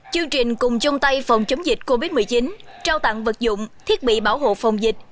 chương trình cùng chung tay phòng chống dịch covid một mươi chín trao tặng vật dụng thiết bị bảo hộ phòng dịch